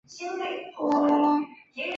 学坏晒！